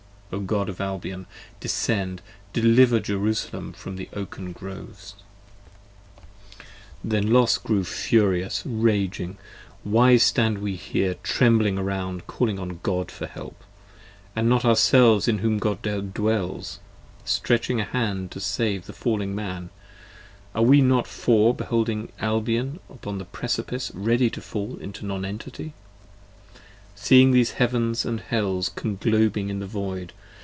O God of Albion, descend! deliver Jerusalem from the Oaken Groves! Then Los grew furious raging: Why stand we here trembling around Calling on God for help; and not ourselves in whom God dwells Stretching a hand to save the falling Man: are we not Four 15 Beholding Albion upon the Precipice ready to fall into Non Entity: Seeing these Heavens & Hells conglobing in the Void.